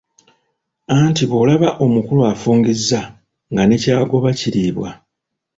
Anti bw'olaba omukulu afungizza nga ne ky'agoba kiriibwa.